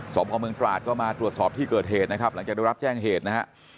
สอบพ่อเมืองตราดก็มาตรวจสอบที่เกิดเหตุนะครับหลังจากได้รับแจ้งเหตุนะฮะ